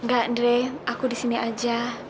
enggak andre aku disini aja